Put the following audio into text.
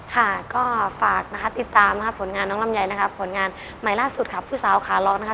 ค่ะก็ฝากติดตามนะคะผลงานน้องลำใหญ่นะคะผลงานมายล่าสุดครับคุณสาวข่าวล๊อคนะค่ะ